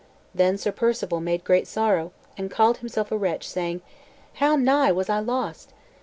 Then Sir Perceval made great sorrow, and called himself a wretch, saying, "How nigh was I lost!"